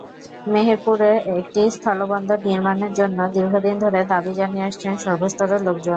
মেহেরপুরে একটি স্থলবন্দর নির্মাণের জন্য দীর্ঘদিন ধরে দাবি জানিয়ে আসছেন সর্বস্তরের লোকজন।